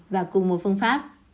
và cùng một phương pháp